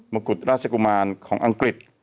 กุฎราชกุมารของอังกฤษ